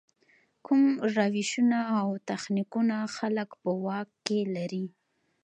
کوم روشونه او تخنیکونه خلک په واک کې لري.